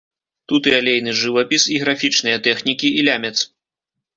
Тут і алейны жывапіс, і графічныя тэхнікі, і лямец.